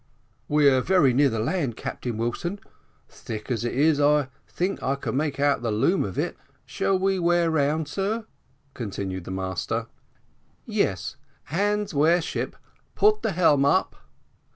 "We're very near the land, Captain Wilson; thick as it is, I think I can make out the loom of it shall we wear round, sir?" continued the master. "Yes hands wear ship put the helm up."